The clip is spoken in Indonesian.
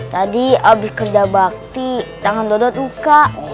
tadi habis kerja bakti tangan dodot luka